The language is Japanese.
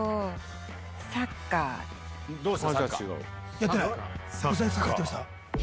やってない。